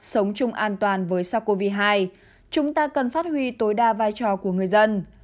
sống chung an toàn với sars cov hai chúng ta cần phát huy tối đa vai trò của người dân